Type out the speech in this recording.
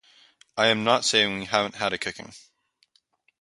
I am not saying we haven't had a kicking.